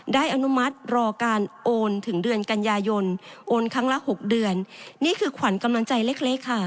อนุมัติรอการโอนถึงเดือนกันยายนโอนครั้งละหกเดือนนี่คือขวัญกำลังใจเล็กเล็กค่ะ